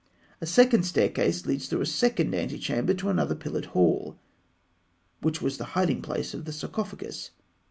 A second staircase (C) leads through a second antechamber to another pillared hall (D), which was the hiding place of the sarcophagus.